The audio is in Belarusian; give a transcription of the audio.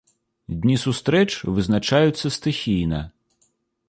Дні сустрэч вызначаюцца стыхійна.